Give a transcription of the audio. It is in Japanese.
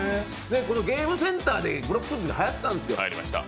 ゲームセンターでブロック崩しがはやってたんですよ